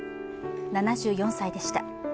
７４歳でした。